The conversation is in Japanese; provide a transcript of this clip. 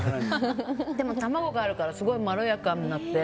でも、卵があるからすごくまろやかになって。